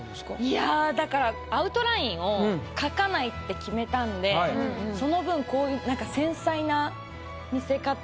いやだからアウトラインを描かないって決めたんでその分こういう。